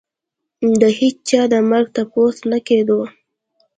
د هېچا د مرګ تپوس نه کېدو.